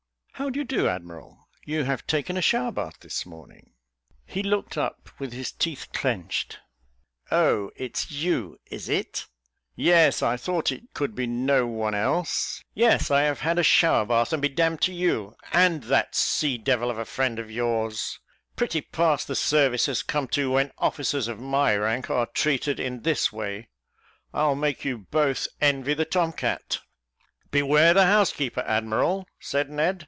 "How do you do, admiral? you have taken a shower bath this morning." He looked up, with his teeth clenched "Oh, it's you, is it? Yes, I thought it could be no one else. Yes, I have had a shower bath, and be d d to you; and that sea devil of a friend of yours. Pretty pass the service has come to, when officers of my rank are treated in this way. I'll make you both envy the tom cat." "Beware the housekeeper, admiral," said Ned.